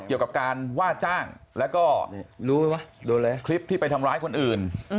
เกี่ยวกับการว่าจ้างแล้วก็รู้ไหมคลิปที่ไปทำร้ายคนอื่น